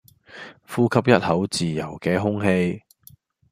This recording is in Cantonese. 呼吸一口自由既空氣